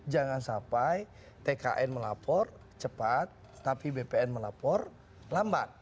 jangan sampai tkn melapor cepat tapi bpn melapor lambat